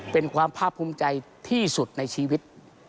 เป็นความภาคภูมิใจที่สุดในชีวิต